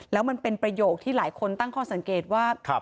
แล้วมันเป็นประโยคที่หลายคนตั้งข้อสังเกตว่า